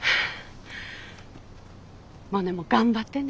モネも頑張ってね。